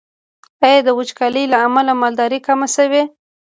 آیا د وچکالۍ له امله مالداري کمه شوې؟